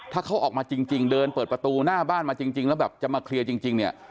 ถ้าเขาออกมาจริงเดินเปิดประตูหน้าบ้านมาจริงแล้วแบบจะมาเคลียร์จริงเนี่ย